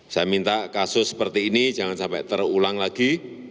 saya minta kasus seperti ini jangan sampai terulang lagi